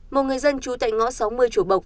một người dân trú tại ngõ sáu mươi chùa bộc